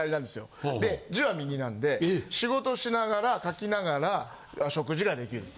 なんで仕事しながら書きながら食事ができる。